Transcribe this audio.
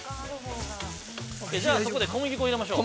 ◆じゃあ、そこで小麦粉を入れましょう。